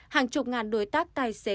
hàng chục ngàn đối tác tài xế